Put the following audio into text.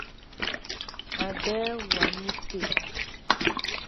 Aɓέɛ waá mi té.